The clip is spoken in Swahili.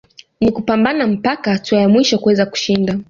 ni kupambana mpaka hatua ya mwisho kuweza kushinda